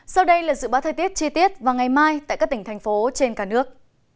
sau đây là dự báo thời tiết chi tiết vào ngày mai tại các tỉnh thành phố trên cả nước